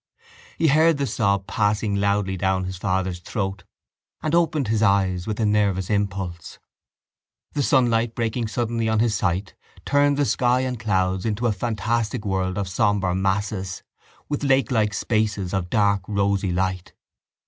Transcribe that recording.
He heard the sob passing loudly down his father's throat and opened his eyes with a nervous impulse. The sunlight breaking suddenly on his sight turned the sky and clouds into a fantastic world of sombre masses with lakelike spaces of dark rosy light.